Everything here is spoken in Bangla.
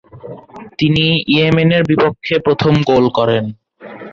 তিনি ইয়েমেনের বিপক্ষে প্রথম গোল করেন।